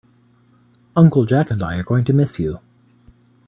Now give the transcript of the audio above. Uncle Jack and I are going to miss you.